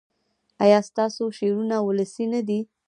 ایا ستاسو شعرونه ولسي نه دي؟